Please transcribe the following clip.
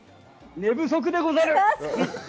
寝不足でござる！